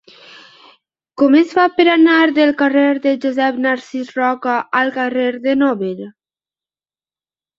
Com es fa per anar del carrer de Josep Narcís Roca al carrer de Nobel?